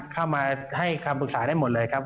เข้ามาให้คำปรึกษาได้หมดเลยครับ